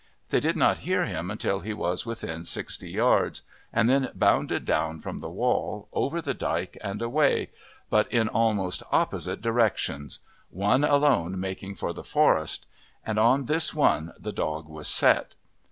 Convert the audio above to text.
They did not hear him until he was within sixty yards, and then bounded down from the wall, over the dyke, and away, but in almost opposite directions one alone making for the forest; and on this one the dog was set.